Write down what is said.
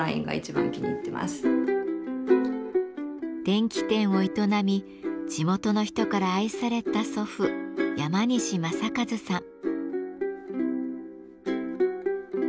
電気店を営み地元の人から愛された祖父・山西正一さん。